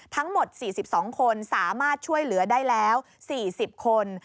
ทั้งหมด๔๒คนสามารถช่วยเหลือได้แล้ว๔๐คน